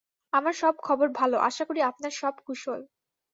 আমার সব খবর ভাল, আশা করি আপনার সব কুশল।